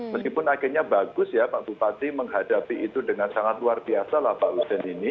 meskipun akhirnya bagus ya pak bupati menghadapi itu dengan sangat luar biasa lah pak hussein ini